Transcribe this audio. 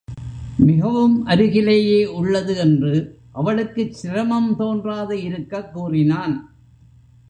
மிகவும் அருகிலேயே உள்ளது என்று அவளுக்குச் சிரமம் தோன்றாது இருக்கக் கூறினான்.